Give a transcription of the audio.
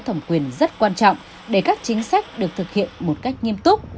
một phần thẩm quyền rất quan trọng để các chính sách được thực hiện một cách nghiêm túc